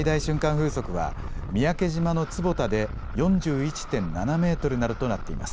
風速は三宅島の坪田で４１．７メートルなどとなっています。